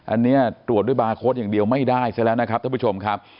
อันนี้ตรวจด้วยบาร์โค้ดอย่างเดียวไม่ได้ซะแล้วนะครับท่านผู้ชมครับ